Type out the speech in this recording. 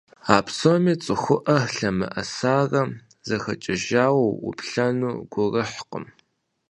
А псоми цӀыхуӀэ лъэмыӀэсарэ зэхэкӀэжауэ уӀуплъэну гурыхькъым.